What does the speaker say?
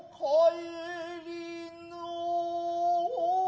はい。